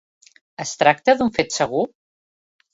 Es tracta d'un fet segur?